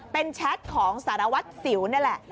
เป็นแชทของสารวัตรสิวนี่แหละ